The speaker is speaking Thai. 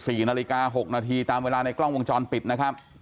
สี่นาฬิกาหกนาทีตามเวลาในกล้องวงจรปิดนะครับ